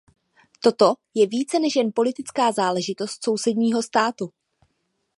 Toto je více než jen politická záležitost sousedního státu.